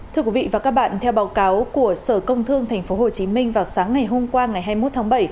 thưa quý vị và các bạn theo báo cáo của sở công thương tp hcm vào sáng ngày hôm qua ngày hai mươi một tháng bảy